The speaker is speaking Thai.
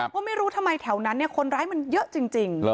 ว่าไม่รู้ทำไมแถวนั้นคนร้ายมันเยอะจริง